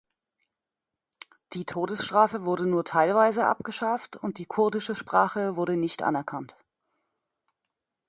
Die Todesstrafe wurde nur teilweise abgeschafft, und die kurdische Sprache wurde nicht anerkannt.